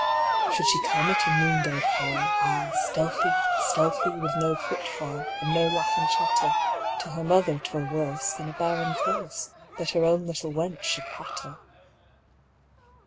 Should she come at a noonday call, Ah, stealthy, stealthy, with no footfall, And no laughing chatter, To her mother 't were worseThan a barren curseThat her own little wench should pat her.